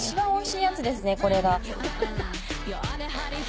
これが。